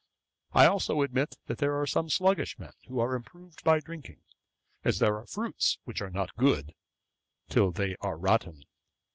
I also admit, that there are some sluggish men who are improved by drinking; as there are fruits which are not good till they are rotten.